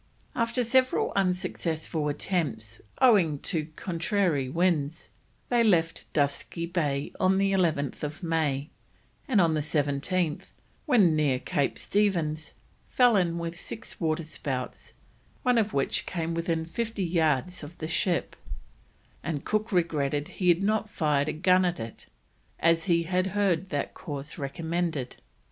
After several unsuccessful attempts, owing to contrary winds, they left Dusky Bay on 11th May, and on the 17th, when near Cape Stephens, fell in with six water spouts, one of which came within fifty yards of the ship, and Cook regretted he had not fired a gun at it, as he had heard that course recommended.